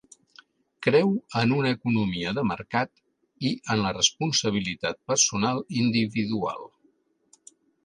Creu en una economia de mercat i en la responsabilitat personal individual.